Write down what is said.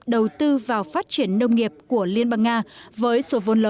đầu tư vào phát triển nông nghiệp của liên bang nga với số vốn lớn và mục tiêu rất năng lực